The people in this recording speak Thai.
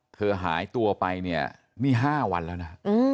หายตัวไปเนี่ยนี่๕วันแล้วนะ